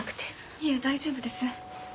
いえ大丈夫です。